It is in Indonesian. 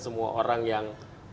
semua orang yang